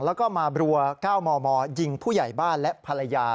แล้วก็มาบรัว๙มมยิงผู้ใหญ่บ้านและภรรยา